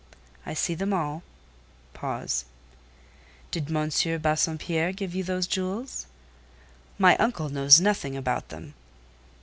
"I see them all." "Did M. de Bassompierre give you those jewels?" "My uncle knows nothing about them."